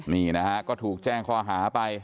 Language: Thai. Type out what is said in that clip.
นี่นะฮะก็ถูกแจ้งข้อหาไป